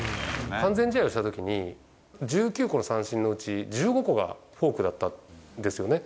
完全試合をしたときに、１９個の三振のうち、１５個がフォークだったんですよね。